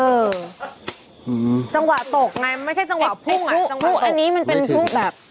อืมจังหวะตกไงไม่ใช่จังหวะพุ่งอ่ะจังหวะอันนี้มันเป็นผู้แบบ